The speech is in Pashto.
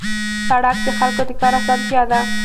سړک د خلکو د کار اسانتیا ده.